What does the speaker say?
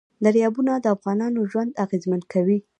دریابونه د افغانانو ژوند اغېزمن کوي.